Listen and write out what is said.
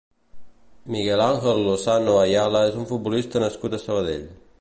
Miguel Ángel Lozano Ayala és un futbolista nascut a Sabadell.